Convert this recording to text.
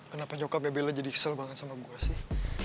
kenapa nyokapnya bella jadi kesel banget sama gue sih